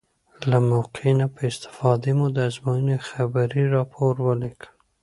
له موقع نه په استفادې مو د ازموینې خبري راپور ولیکه.